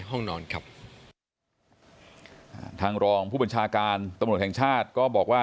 ทางรองผู้บัญชาการตำรวจแห่งชาติก็บอกว่า